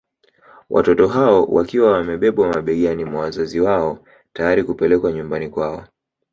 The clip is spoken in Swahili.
Watoto hao wakiwa wamebebwa mabegani mwa wazazi wao tayari kupelekwa nyumbani kwao